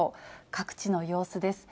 各地の様子です。